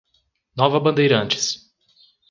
Nova Bandeirantes